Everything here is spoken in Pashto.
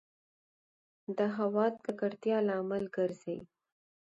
د هــوا د ککــړتـيـا لامـل ګـرځـي